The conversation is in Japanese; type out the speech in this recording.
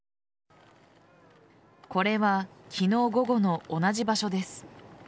これは昨日午後の同じ場所です。